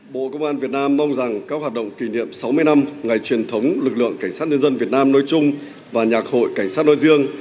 bộ công an việt nam mong rằng các hoạt động kỷ niệm sáu mươi năm ngày truyền thống lực lượng cảnh sát nhân dân việt nam nói chung và nhạc hội cảnh sát nói riêng